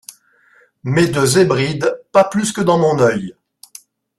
Mais de Zhébrides, pas plus que dans mon œil !